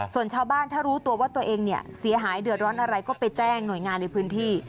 ส่วนชาวบ้านถ้ารู้ตัวว่าตัวเองเนี่ยเสียหายเดือดร้อนอะไรก็ไปแจ้งหน่วยงานในพื้นที่